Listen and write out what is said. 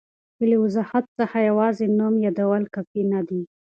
بې له وضاحت څخه یوازي نوم یادول کافي نه دي.